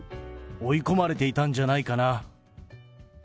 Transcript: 追い込まれていたんじゃないかな。